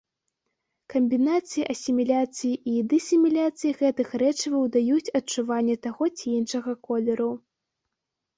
Камбінацыі асіміляцыі і дысіміляцыі гэтых рэчываў даюць адчуванне таго ці іншага колеру.